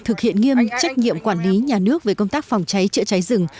thực hiện nghiêm trách nhiệm quản lý nhà nước về công tác phòng cháy chữa cháy rừng